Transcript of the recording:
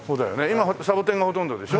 今サボテンがほとんどでしょ？